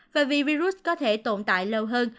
và vì virus có thể tồn tại lâu hơn